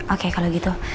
oke kalau gitu